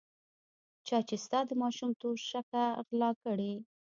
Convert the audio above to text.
چا چې ستا د ماشوم توشکه غلا کړې.